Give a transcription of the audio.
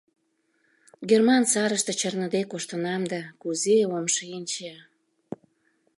— Герман сарыште чарныде коштынам да, кузе ом шинче?